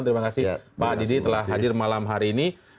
terima kasih pak didi telah hadir malam hari ini